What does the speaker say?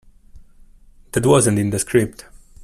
That wasn't in the script.